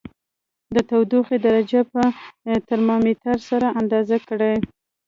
د تودوخې درجه په ترمامتر سره اندازه کړئ.